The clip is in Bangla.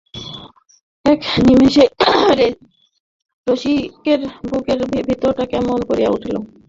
এক নিমেষেই রসিকের বুকের ভিতরটা কেমন করিয়া উঠিয়া চোখের সামনে সমস্ত অস্পষ্ট হইয়া উঠিল।